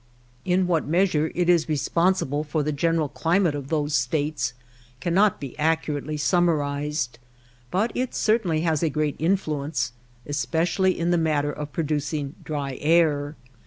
In what measure it is re sponsible for the general climate of those States cannot be accurately summarized ; but it cer tainly has a great influence, especially in the matter of producing dry air.